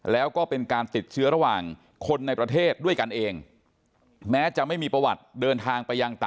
แล้วก็เป็นการติดเชื้อระหว่างคนในประเทศด้วยกันเอง